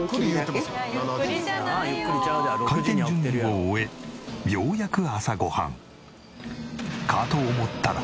開店準備を終えようやく朝ご飯。かと思ったら！